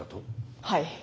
はい。